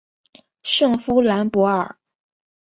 圣夫兰博尔。